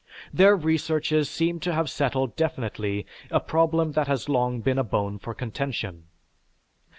Their researches seem to have settled definitely a problem that has long been a bone for contention.